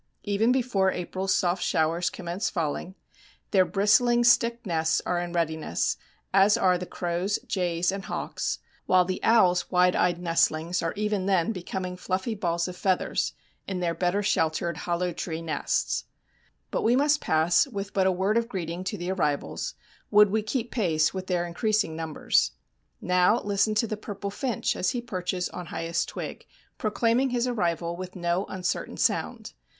Even before April's soft showers commence falling, their bristling stick nests are in readiness, as are the crows', jays' and hawks', while the owls' wide eyed nestlings are even then becoming fluffy balls of feathers in their better sheltered hollow tree nests. But we must pass with but a word of greeting to the arrivals, would we keep pace with their increasing numbers. Now listen to the purple finch as he perches on highest twig, proclaiming his arrival with no uncertain sound.